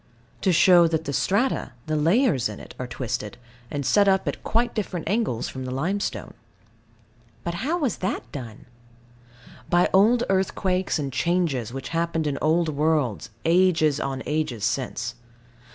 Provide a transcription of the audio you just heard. To show that the strata, the layers in it, are twisted, and set up at quite different angles from the limestone. But how was that done? By old earthquakes and changes which happened in old worlds, ages on ages since.